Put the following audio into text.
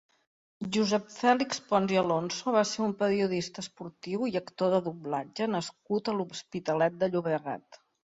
Josep Fèlix Pons i Alonso va ser un periodista esportiu i actor de doblatge nascut a l'Hospitalet de Llobregat.